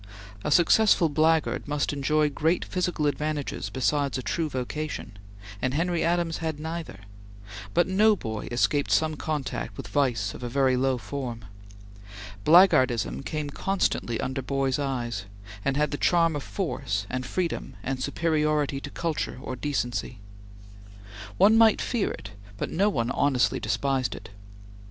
A successful blackguard must enjoy great physical advantages besides a true vocation, and Henry Adams had neither; but no boy escaped some contact with vice of a very low form. Blackguardism came constantly under boys' eyes, and had the charm of force and freedom and superiority to culture or decency. One might fear it, but no one honestly despised it.